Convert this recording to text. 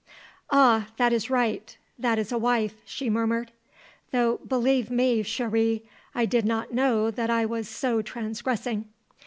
"Ah, that is right; that is a wife," she murmured. "Though, believe me, chérie, I did not know that I was so transgressing."